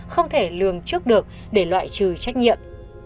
không thể lường trước được để loại trừ trách nhiệm